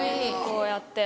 こうやって。